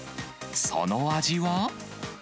その味は。